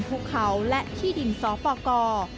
ภูเขาและที่ดินสปกร